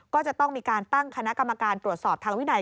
ก็จะต้องมีการตั้งคณะกรรมการตรวจสอบทางวินัย